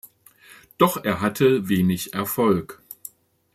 Doch er hatte wenig Erfolg.